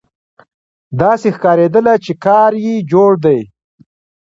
داسې ښکارېدله چې کار یې جوړ دی.